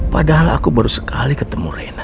padahal aku baru sekali ketemu reina